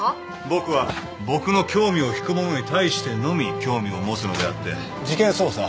僕は僕の興味を引くものに対してのみ興味を持つのであって事件捜査。